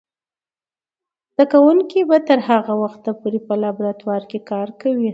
زده کوونکې به تر هغه وخته پورې په لابراتوار کې کار کوي.